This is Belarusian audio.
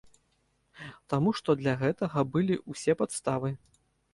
Таму што для гэтага былі ўсе падставы.